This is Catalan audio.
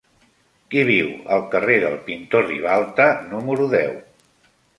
Qui viu al carrer del Pintor Ribalta número deu?